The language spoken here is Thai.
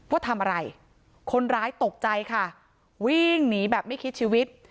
ว่าทำอะไรคนร้ายตกใจค่ะวิ่งหนีแบบไม่คิดชีวิต